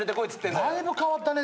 だいぶ変わったね。